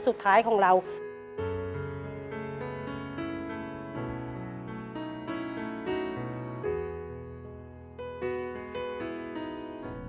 หนึ่งหมื่นหนึ่งหมื่น